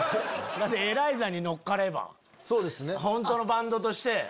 エライザに乗っかれば本当のバンドとして。